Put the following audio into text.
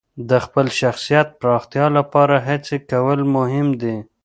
د خپل شخصیت پراختیا لپاره هڅې کول مهم دي.